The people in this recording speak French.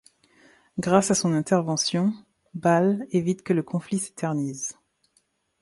Grâce à son intervention, Bâle évite que le conflit s'éternise.